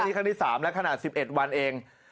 นี่ครั้งที่๓และขนาด๑๑วันเอง